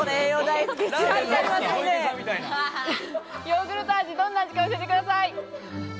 ヨーグルト味、どんな味か教えてください。